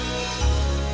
sampai jumpa lagi